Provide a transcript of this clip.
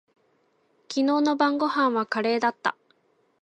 昨日の晩御飯はカレーだった。